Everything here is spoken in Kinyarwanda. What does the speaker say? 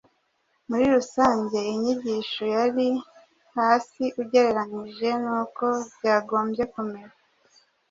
Muri rusange inyigisho yari hasi ugereranije n'uko byagombye kumera